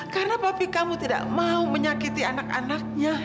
karena papi kamu tidak mau menyakiti anak anaknya